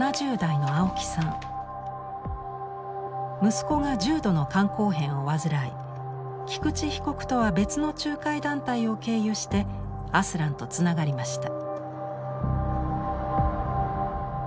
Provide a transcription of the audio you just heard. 息子が重度の肝硬変を患い菊池被告とは別の仲介団体を経由してアスランとつながりました。